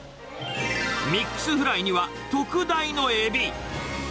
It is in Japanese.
ミックスフライには特大のエビ。